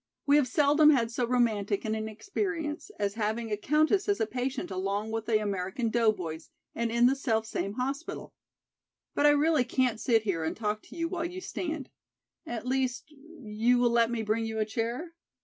We have seldom had so romantic an experience as having a countess as a patient along with the American doughboys and in the selfsame hospital. But I really can't sit here and talk to you while you stand. At least you will let me bring you a chair?"